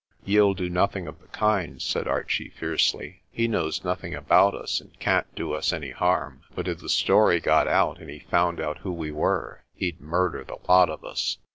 "Ye'll do nothing of the kind," said Archie fiercely. "He knows nothing about us and can't do us any harm. But if the story got out and he found out who we were, he'd murder the lot of us."